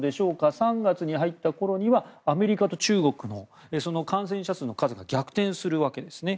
３月に入ったころにはアメリカと中国の感染者数が逆転するわけですね。